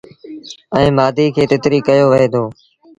ائيٚݩ مآڌيٚ کي تتريٚ ڪيو وهي دو۔